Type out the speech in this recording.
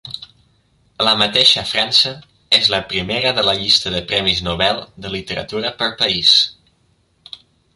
La mateixa França és la primera de la llista de premis Nobel de literatura per país.